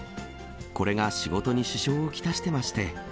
これが仕事に支障をきたしてまして。